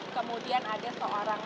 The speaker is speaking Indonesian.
kemudian ada seorang